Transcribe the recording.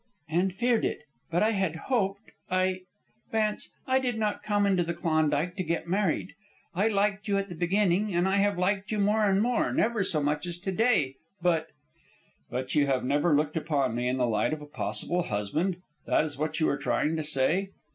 "And feared it. But I had hoped ... I ... Vance, I did not come into the Klondike to get married. I liked you at the beginning, and I have liked you more and more, never so much as to day, but " "But you had never looked upon me in the light of a possible husband that is what you are trying to say."